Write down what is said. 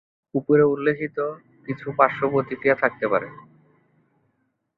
উপরে উল্লিখিত কিছু পার্শ্ব প্রতিক্রিয়া থাকতে পারে।